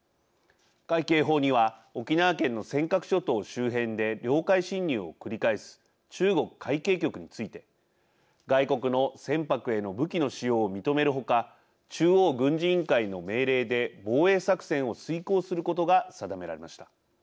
海警法には沖縄県の尖閣諸島周辺で領海侵入を繰り返す中国海警局について外国の船舶への武器の使用を認める他中央軍事委員会の命令で防衛作戦を遂行することが定められました。